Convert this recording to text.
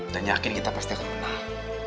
dan yakin kita pasti akan menang